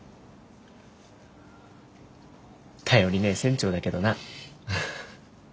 頼りねえ船長だけどな。